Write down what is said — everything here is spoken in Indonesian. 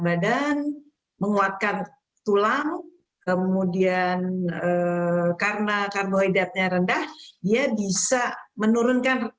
badan menguatkan tulang kemudian karena karbohidratnya rendah dia bisa menurunkan